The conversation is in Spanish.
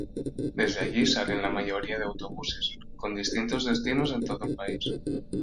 Desde allí salen la mayoría de autobuses con distintos destinos en todo el país.